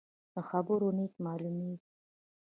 له خبرو نیت معلومېږي.